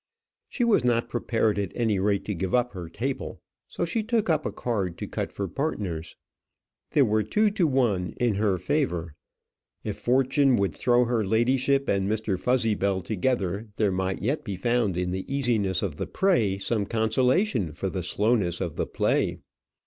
She was not prepared at any rate to give up her table, so she took up a card to cut for partners. There were two to one in her favour. If fortune would throw her ladyship and Mr. Fuzzybell together there might yet be found in the easiness of the prey some consolation for the slowness of the play.